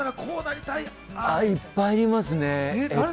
いっぱいありますね。